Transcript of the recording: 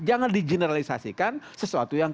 jangan di generalisasikan sesuatu yang